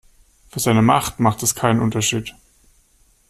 Für seine Macht macht es keinen Unterschied.